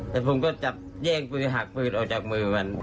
แต่ผมก็จับแย่งปืนหักปืนออกจากมือมัน